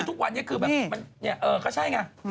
ทุกวันนี้ก็ใช่ไง